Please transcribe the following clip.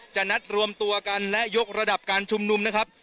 นัดรวมตัวกันและยกระดับการชุมนุมนะครับ